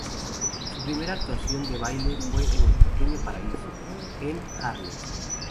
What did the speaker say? Su primera actuación de baile fue en el "Pequeño Paraíso" en Harlem.